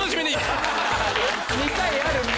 ２回あるんだ。